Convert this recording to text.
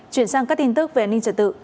chuyển sang các tin tức về an ninh trật tự